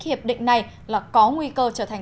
hiệp định này là có nguy cơ trở thành